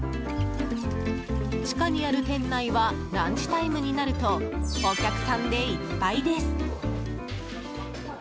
地下にある店内はランチタイムになるとお客さんでいっぱいです。